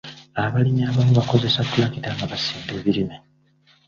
Abalimi abamu bakozesa ttulakita nga basimba ebimera.